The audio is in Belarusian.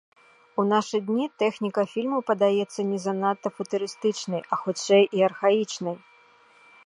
У нашы дні тэхніка фільму падаецца не занадта футурыстычнай, а хутчэй і архаічнай.